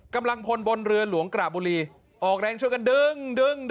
กำลังพลบนเรือหลวงกระบุรีออกแรงช่วยกันดึงดึง